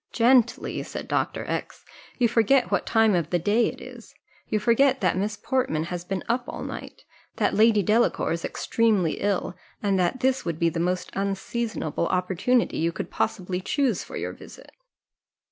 "Gently," said Dr. X , "you forget what time of the day it is you forget that Miss Portman has been up all night that Lady Delacour is extremely ill and that this would be the most unseasonable opportunity you could possibly choose for your visit."